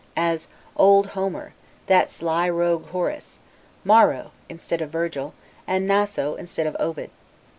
As OLD Homer; that SLY ROGUE Horace; MARO, instead of Virgil; and Naso, Instead of Ovid.